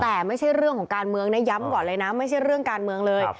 แต่ไม่ใช่เรื่องของการเมืองนะย้ำก่อนเลยนะไม่ใช่เรื่องการเมืองเลย